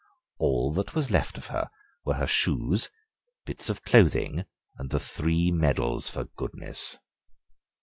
All that was left of her were her shoes, bits of clothing, and the three medals for goodness."